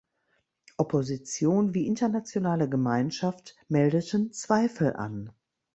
Opposition wie internationale Gemeinschaft meldeten Zweifel an.